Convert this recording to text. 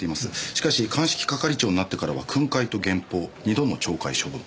しかし鑑識係長になってからは訓戒と減俸二度の懲戒処分。